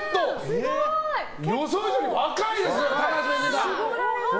予想以上に若いですね。